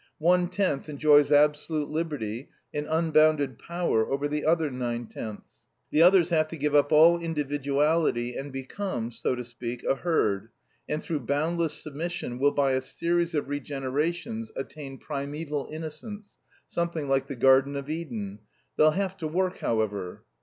One tenth enjoys absolute liberty and unbounded power over the other nine tenths. The others have to give up all individuality and become, so to speak, a herd, and, through boundless submission, will by a series of regenerations attain primæval innocence, something like the Garden of Eden. They'll have to work, however.